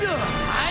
はい！